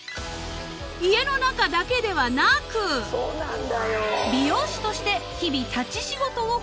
［家の中だけではなく美容師として日々立ち仕事をこなしているのです］